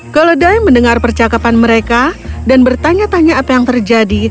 keledai mendengar percakapan mereka dan bertanya tanya apa yang terjadi